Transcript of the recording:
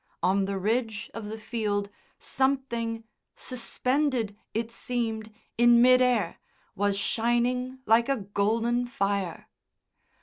On the ridge of the field something, suspended, it seemed, in midair, was shining like a golden fire.